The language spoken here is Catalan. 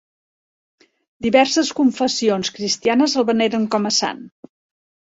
Diverses confessions cristianes el veneren com a sant.